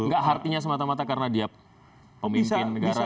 gak artinya semata mata karena dia pemimpin negara